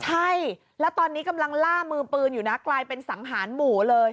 ใช่แล้วตอนนี้กำลังล่ามือปืนอยู่นะกลายเป็นสังหารหมู่เลย